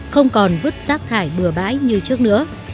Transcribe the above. không còn vứt rác thải bừa bãi như trước nữa